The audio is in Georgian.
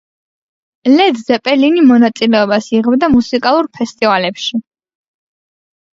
ლედ ზეპელინი მონაწილეობას იღებდა მუსიკალურ ფესტივალებში.